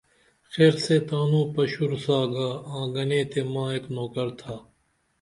خیر سے تانو پشور سا گا آں گنے تے ما ایک نوکر تھا